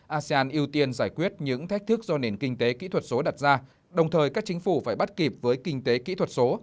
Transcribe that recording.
asean ưu tiên giải quyết những thách thức do nền kinh tế kỹ thuật số đặt ra đồng thời các chính phủ phải bắt kịp với kinh tế kỹ thuật số